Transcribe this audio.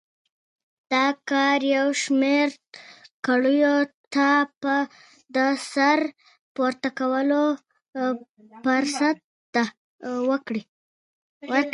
دا کار یو شمېر کړیو ته د سر پورته کولو فرصت ورکړ.